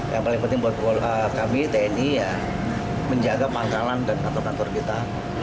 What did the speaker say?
yang paling penting buat kami tni menjaga pangkalan dan kantor kantor kita